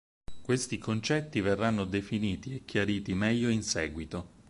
Questi concetti verranno definiti e chiariti meglio in seguito.